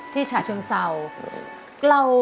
ที่ฉะเชิงเซา